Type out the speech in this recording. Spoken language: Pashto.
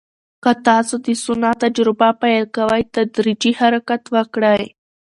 که تاسو د سونا تجربه پیل کوئ، تدریجي حرکت وکړئ.